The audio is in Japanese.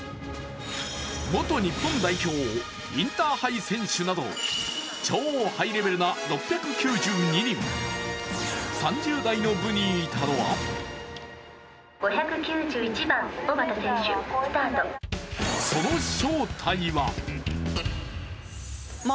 元日本代表、インターハイ選手など超ハイレベルな６９２人、３０代の部にいたのはその正体は？